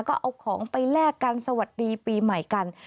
ก็เอาของไปแลกกันสวัสดีปีใหม่กัน